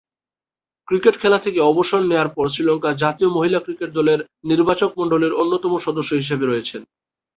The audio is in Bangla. ক্রিকেট খেলা থেকে অবসর নেয়ার পর শ্রীলঙ্কা জাতীয় মহিলা ক্রিকেট দলের নির্বাচকমণ্ডলীর অন্যতম সদস্য হিসেবে রয়েছেন।